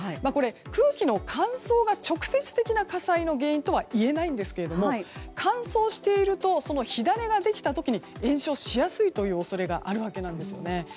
空気の乾燥が直接的な火災の原因とはいえないんですけれども乾燥していると火種ができた時に延焼しやすいという恐れがあるわけなんですよね。